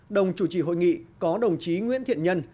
đồng chủ trì hội nghị có đồng chí nguyễn thiện nhân